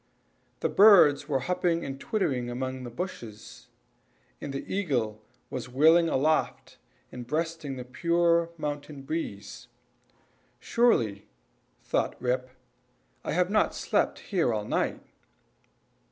The birds were hopping and twittering among the bushes, and the eagle was wheeling aloft, and breasting the pure mountain breeze. "Surely," thought Rip, "I have not slept here all night."